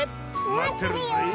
まってるよ！